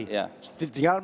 kita bangunkan lagi